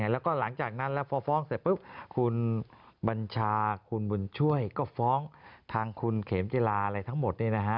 แล้วก็หลังจากนั้นแล้วพอฟ้องเสร็จปุ๊บคุณบัญชาคุณบุญช่วยก็ฟ้องทางคุณเขมจิลาอะไรทั้งหมด